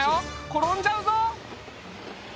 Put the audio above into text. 転んじゃうぞ。